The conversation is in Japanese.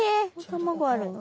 卵あるの？